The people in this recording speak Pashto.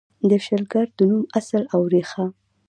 د شلګر د نوم اصل او ریښه: